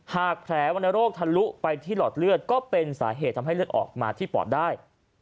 หากแผลวรรณโรคทะลุไปที่หลอดเลือดก็เป็นสาเหตุทำให้เลือดออกมาที่ปอดได้